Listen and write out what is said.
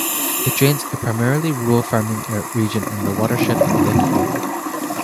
It drains a primarily rural farming region in the watershed of Lake Erie.